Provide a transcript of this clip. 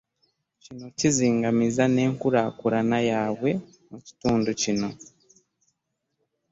Kino kizingamizza n'enkulaakulana yaabwe mu kitundu kino.